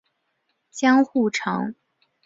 江户城。